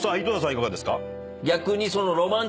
いかがですか？